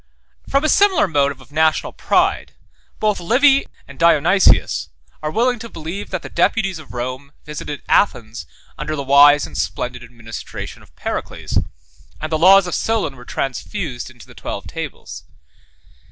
17 From a similar motive of national pride, both Livy and Dionysius are willing to believe, that the deputies of Rome visited Athens under the wise and splendid administration of Pericles; and the laws of Solon were transfused into the twelve tables.